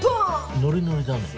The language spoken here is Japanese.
ノリノリだね。